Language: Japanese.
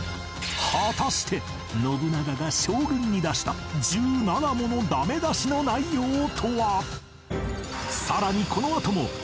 果たして信長が将軍に出した１７ものダメ出しの内容とは！？